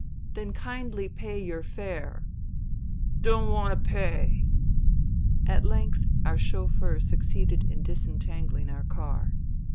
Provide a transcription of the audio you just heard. " Then kindly pay your fare." "Don't want to pay." At length our chauffeur succeeded in disentanghng our car.